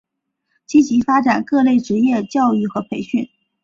积极发展各类职业教育和培训。